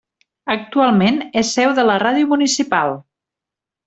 Actualment, és seu de la ràdio municipal.